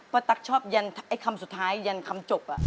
ตั๊กชอบยันไอ้คำสุดท้ายยันคำจบ